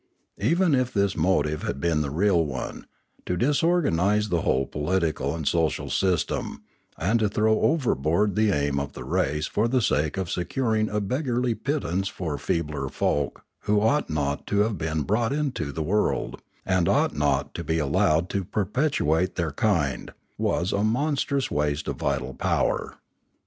Even if this motive had been the real one, to disorganise the whole political and social system, and to throw overboard the aim of the race for the sake of securing a beggarly pittance for feebler folk who ought not to have been brought into the world, and ought not to be allowed to perpetuate their kind, was a monstrous waste of vital power.